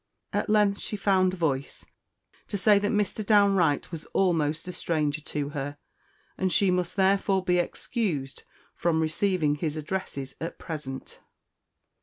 At length she found voice to say that Mr. Downe Wright was almost a stranger to her, and she must therefore be excused from receiving his addresses at present.